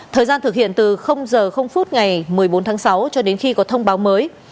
thời gian thực hiện từ h ngày một mươi bốn tháng sáu cho đến khi có thông báo mới